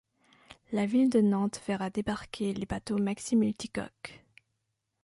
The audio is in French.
La ville de Nantes verra débarquer les bateaux maxi-multicoques.